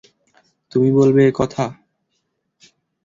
তুমি বলবে একথা?